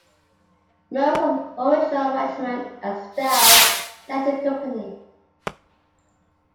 Most of the original management and staff left the company.